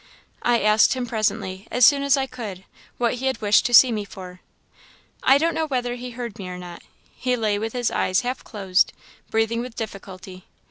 "I asked him presently, as soon as I could, what he had wished to see me for. I don't know whether he heard me or not; he lay with his eyes half closed, breathing with difficulty.